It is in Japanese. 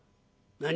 「何？」。